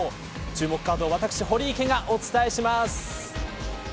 注目カードを私、堀池がお伝えします。